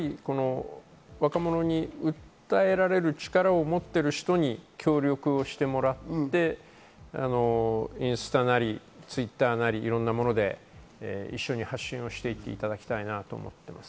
若者に訴えられる力を持っている人に協力をしてもらってインスタやＴｗｉｔｔｅｒ、いろんなもので一緒に発信していただきたいなと思っています。